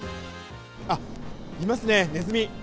あっ、いますね、ネズミ。